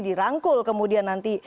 mengerti dirangkul kemudian nanti